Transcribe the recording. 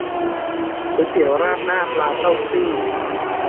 ก๋วยเตี๋ยวราดหน้าปลาเต้าซี่